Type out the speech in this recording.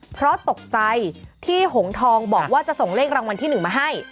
เพราะตกใจที่หงทองบอกว่าจะส่งเลขรางวัลที่๑มาให้